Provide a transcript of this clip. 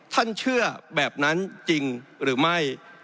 เชื่อแบบนั้นจริงหรือไม่